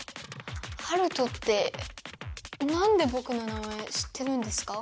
ハルトってなんでぼくの名前知ってるんですか？